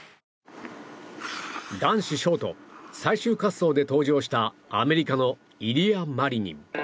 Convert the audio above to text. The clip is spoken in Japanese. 男子ショート最終滑走で登場したアメリカのイリア・マリニン。